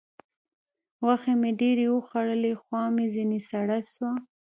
غوښې مې ډېرې وخوړلې؛ خوا مې ځينې سړه سوه.